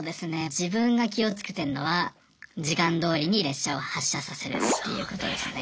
自分が気をつけてるのは時間どおりに列車を発車させるっていうことですね。